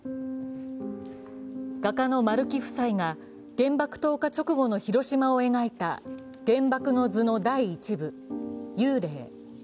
画家の丸木夫妻が原爆投下直後の広島を描いた、「原爆の図」の第１部「幽霊」。